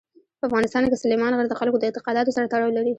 په افغانستان کې سلیمان غر د خلکو د اعتقاداتو سره تړاو لري.